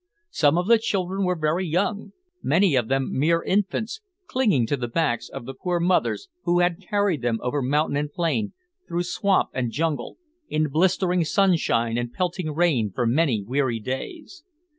Some of the children were very young, many of them mere infants, clinging to the backs of the poor mothers, who had carried them over mountain and plain, through swamp and jungle, in blistering sunshine and pelting rain for many weary days.